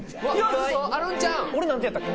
俺何点やったっけ？